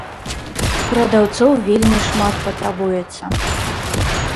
Прадаўцоў вельмі шмат патрабуецца.